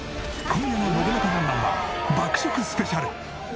今夜の『ノブナカなんなん？』は爆食スペシャル！